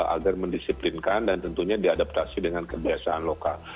agar mendisiplinkan dan tentunya diadaptasi dengan kebiasaan lokal